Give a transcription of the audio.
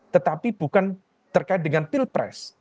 tetapi bukan terkait dengan pilpres